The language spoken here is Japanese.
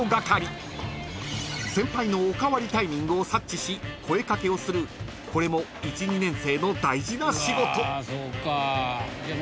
［先輩のおかわりタイミングを察知し声掛けをするこれも１２年生の大事な仕事］